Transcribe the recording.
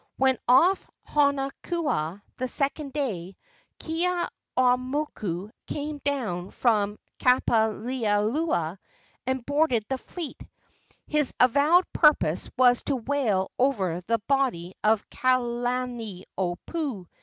When off Honokua the second day, Keeaumoku came down from Kapalilua and boarded the fleet. His avowed purpose was to wail over the body of Kalaniopuu.